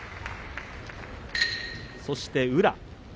そして、宇良